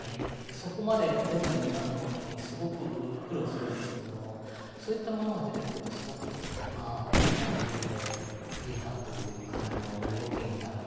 そこまで出るようになるのにすごく苦労するんですけれどもそういったものが出てくるとすごくまあ自分でいいなという感じの動きになるというか。